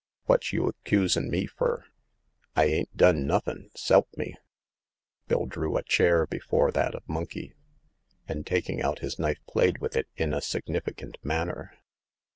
" Wot's you accusin' me fur ? I ain't done nuf fin', s'elp me !" Bill drew a chair before that of Monkey, and taking out his knife played with it in a significant manner.